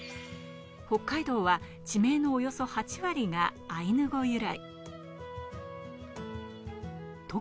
北海道は地名のおよそ８割がアイヌ語由来。